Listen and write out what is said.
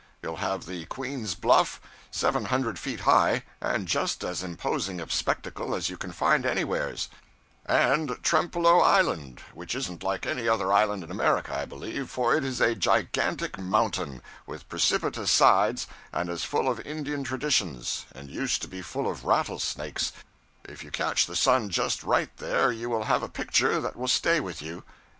You'll have the Queen's Bluff seven hundred feet high, and just as imposing a spectacle as you can find anywheres; and Trempeleau Island, which isn't like any other island in America, I believe, for it is a gigantic mountain, with precipitous sides, and is full of Indian traditions, and used to be full of rattlesnakes; if you catch the sun just right there, you will have a picture that will stay with you.